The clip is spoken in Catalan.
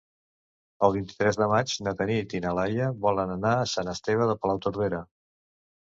El vint-i-tres de maig na Tanit i na Laia volen anar a Sant Esteve de Palautordera.